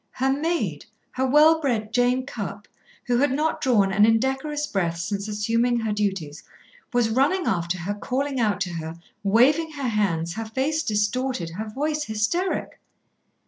Her maid, her well bred Jane Cupp, who had not drawn an indecorous breath since assuming her duties, was running after her calling out to her, waving her hands, her face distorted, her voice hysteric.